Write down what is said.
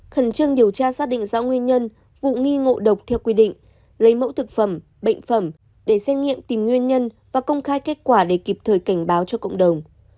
khẩn trương điều tra xác định rõ nguyên nhân vụ nghi ngộ độc theo quy định lấy mẫu thực phẩm bệnh phẩm để xét nghiệm tìm nguyên nhân và công khai kết quả để kịp thời cảnh báo cho cộng đồng